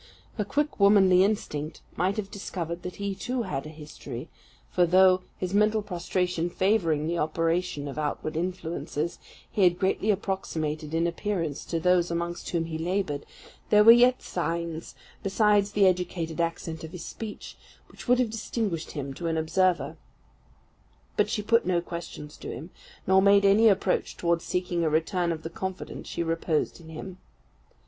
Her quick womanly instinct must have discovered that he too had a history; for though, his mental prostration favouring the operation of outward influences, he had greatly approximated in appearance to those amongst whom he laboured, there were yet signs, besides the educated accent of his speech, which would have distinguished him to an observer; but she put no questions to him, nor made any approach towards seeking a return of the confidence she reposed in him.